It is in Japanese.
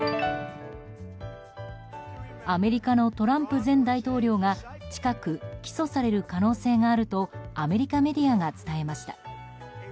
アメリカのトランプ前大統領が近く起訴される可能性があるとアメリカメディアが伝えました。